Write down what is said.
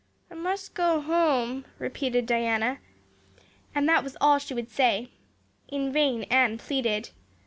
"I must go home," said Diana, and that was all she would say. In vain Anne pleaded.